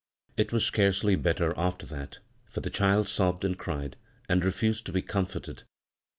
It was scarcely better after that, for the child sobbed and cried, and refused to be comforted.